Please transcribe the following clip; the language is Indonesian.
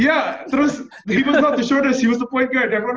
ya terus dia bukan yang paling kecil dia yang paling tinggi